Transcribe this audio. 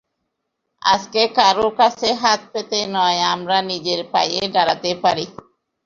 আজকে কারও কাছে হাত পেতে নয়, আমরা নিজের পায়ে দাঁড়াতে পারি।